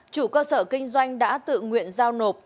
chủ cơ sở kinh doanh đã tự nguyện giao nộp